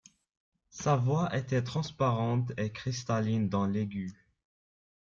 Sa voix était transparente et cristalline dans l’aigu.